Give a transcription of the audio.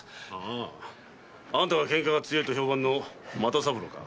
あんたが喧嘩が強いと評判の又三郎か。